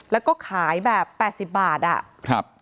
แล้วก็ขายแบบ๘๐บาทอะ